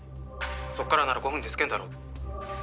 「そっからなら５分で着けんだろ」